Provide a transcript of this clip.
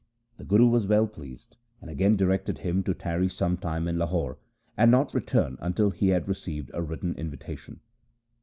The Guru was well pleased, and again directed him to tarry some time in Lahore, and not return until he had received a written invitation.